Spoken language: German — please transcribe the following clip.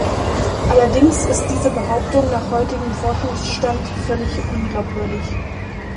Allerdings ist diese Behauptung nach heutigem Forschungsstand völlig unglaubwürdig.